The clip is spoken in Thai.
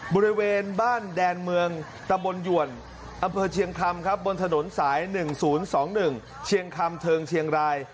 บริเวณบ้านแดนเมืองตะบนหยวนอำเภอเชียงคำครับบนถนนสาย๑๐๒๑เชียงคำเทิงเชียงราย